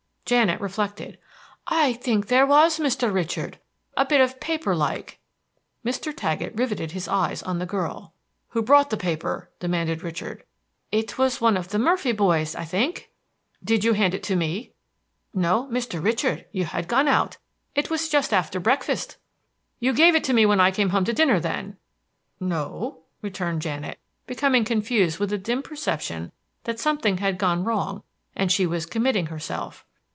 Janet reflected. "I think there was, Mr. Richard, a bit of paper like." Mr. Taggett riveted his eyes on the girl. "Who brought the paper?" demanded Richard. "It was one of the Murphy boys, I think." "Did you hand it to me?" "No, Mr. Richard, you had gone out. It was just after breakfast." "You gave it to me when I came home to dinner, then?" "No," returned Janet, becoming confused with a dim perception that something had gone wrong and she was committing herself.